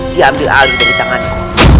diambil alih dari tanganku